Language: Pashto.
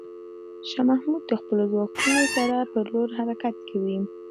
شاه محمود د خپلو ځواکونو سره پر لور حرکت کوي.